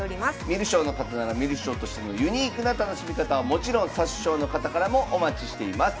観る将の方なら観る将としてのユニークな楽しみ方はもちろん指す将の方からもお待ちしています。